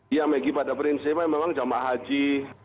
ya maggie pada prinsip memang jamaah haji